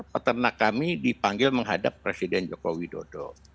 peternak kami dipanggil menghadap presiden joko widodo